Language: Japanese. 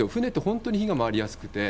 船って本当に火が回りやすくて。